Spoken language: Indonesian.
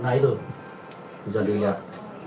nah itu bisa dilihat